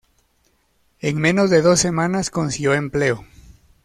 En menos de dos semanas consiguió empleo.